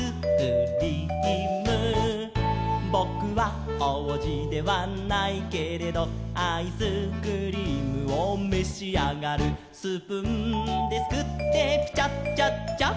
「ぼくはおうじではないけれど」「アイスクリームをめしあがる」「スプーンですくってピチャチャッチャッ」